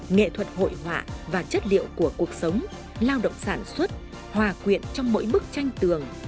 nghệ thuật hội họa và chất liệu của cuộc sống lao động sản xuất hòa quyện trong mỗi bức tranh tường